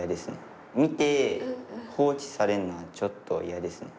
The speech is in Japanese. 見て放置されるのはちょっと嫌ですね。